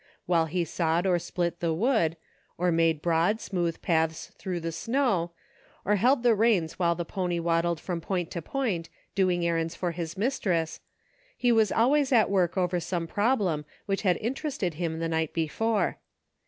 While he sawed or split the wood, or made broad, smooth paths through the snow, or held t|jp reins while the pony waddled from point to point, doing er^ rands for his mistress, he was always at work over some problem which had interested him the night before.